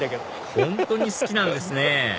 本当に好きなんですね